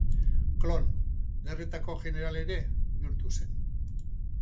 Klon Gerretako jeneral ere bihurtu zen.